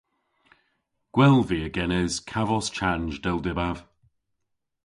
Gwell via genes kavos chanj dell dybav.